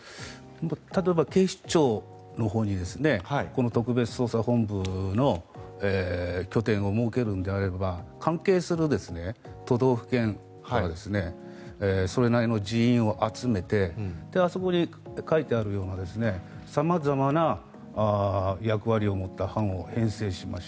例えば、警視庁のほうに特別捜査本部の拠点を設けるのであれば関係する都道府県からそれなりの人員を集めてあそこに書いてあるような様々な役割を持った班を編成しまして。